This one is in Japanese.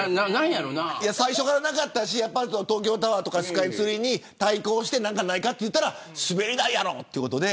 最初からなかったし東京タワーやスカイツリーに対抗して何かないとかといったら滑り台やろということで。